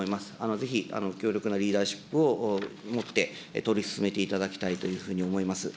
ぜひ、強力なリーダーシップを持って、取り進めていただきたいというふうに思います。